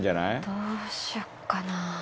どうしようかな。